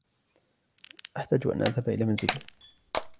أحتاج أن أذهب إلى منزلي.